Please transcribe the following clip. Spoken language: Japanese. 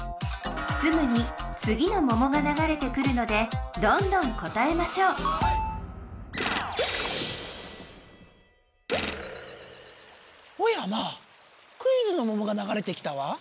すぐにつぎのももがながれてくるのでどんどん答えましょうおやまあクイズのももがながれてきたわ。